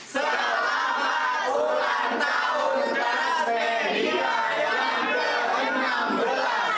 selamat ulang tahun transmedia yang ke enam belas